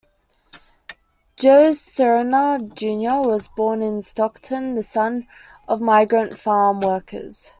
Joe Serna, Junior was born in Stockton, the son of migrant farm workers.